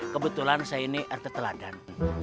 kebetulan saya ini rt teladan